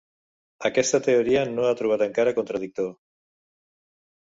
Aquesta teoria no ha trobat encara contradictor.